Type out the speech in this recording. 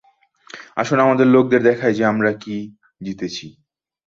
আসুন আমাদের লোকদের দেখাই যে আমরা কী জিতেছি।